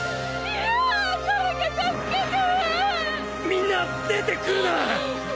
みんな出てくるな！